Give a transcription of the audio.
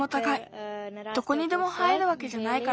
どこにでも生えるわけじゃないから。